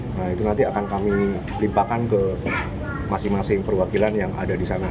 nah itu nanti akan kami limpahkan ke masing masing perwakilan yang ada di sana